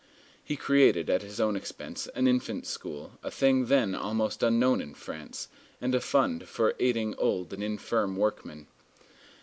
He created at his own expense an infant school, a thing then almost unknown in France, and a fund for aiding old and infirm workmen.